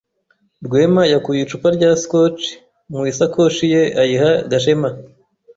Rwema yakuye icupa rya Scotch mu isakoshi ye ayiha Gashema.